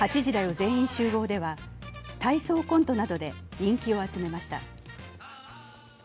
全員集合」では体操コントなどで人気を集めました。